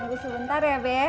bapak tunggu sebentar ya be